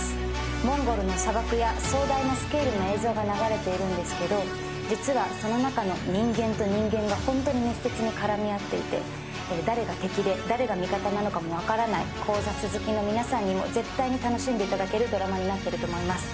モンゴルの砂漠や壮大なスケールの映像が流れているんですけど実はその中の人間と人間が本当に密接に絡み合っていて誰が敵で誰が味方なのか分からない考察好きの皆さんにも絶対に楽しんでいただけるドラマになっていると思います。